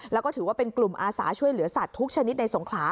แล้วก็ถือว่าเป็นกลุ่มอาสาช่วยเหลือสัตว์ทุกชนิดในสงขลา